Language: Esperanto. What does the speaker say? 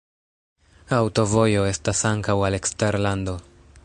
Aŭtovojo estas ankaŭ al eksterlando.